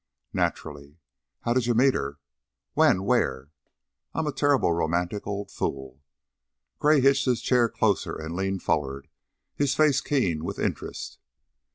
"Naturally. How did you meet her? When? Where? I'm a terribly romantic old fool." Gray hitched his chair closer and leaned forward, his face keen with interest.